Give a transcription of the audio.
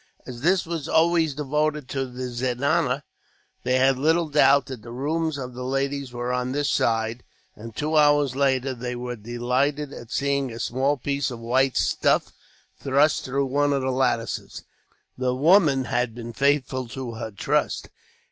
As this was always devoted to the zenana, they had little doubt that the rooms of the ladies were on this side; and, two hours later, they were delighted at seeing a small piece of white stuff, thrust through one of the lattices. The woman had been faithful to her trust.